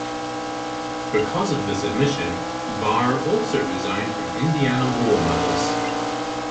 Because of this admission, Barr also resigned from Indiana War Mothers.